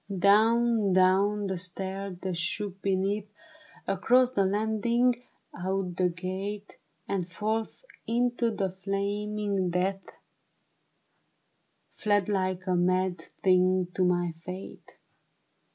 Down, down the 'stair that shook beneath, Across the landing, out the gate, And forth into the flaming death, Fled like a mad thing to my fate.